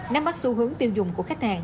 năm bắt xu hướng tiêu dùng của khách hàng